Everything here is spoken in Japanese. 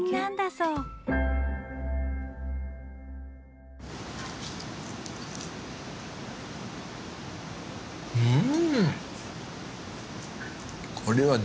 うん。